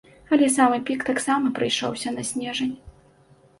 Але самы пік таксама прыйшоўся на снежань.